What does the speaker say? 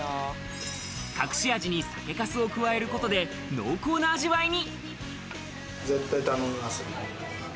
隠し味に酒粕を加えることで濃厚な味わいに。